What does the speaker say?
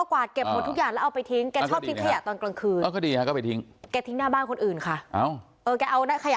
แกเดินช้านะฮะใช่ค่ะแกเดินเร็วไปหน่อยอันนี้คือเป็นการคุย